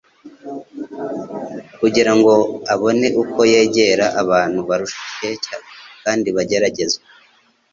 kugira ngo abone uko yegera abantu barushye kandi bageragezwa.